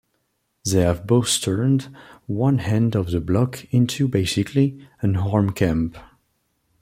They have both turned one end of the block into, basically, an armed camp.